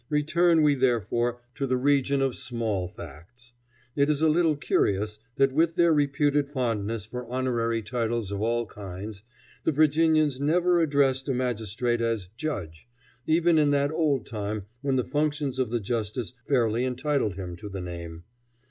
Return we therefore to the region of small facts. It is a little curious that with their reputed fondness for honorary titles of all kinds, the Virginians never addressed a magistrate as "judge," even in that old time when the functions of the justice fairly entitled him to the name.